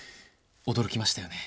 驚きましたよね。